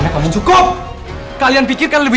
katanya aku sampai traced